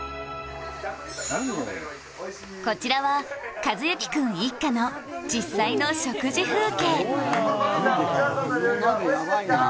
こちらは寿志君一家の実際の食事風景。